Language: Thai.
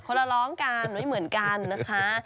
ละร้องกันไม่เหมือนกันนะคะ